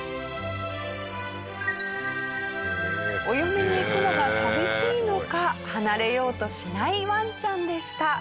お嫁に行くのが寂しいのか離れようとしないワンちゃんでした。